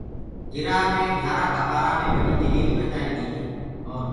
جرآ مي گھِيآرآ ڪآ بآرآ مي بڏيٚ دليريٚ ٻتآريٚ گئيٚ هي اور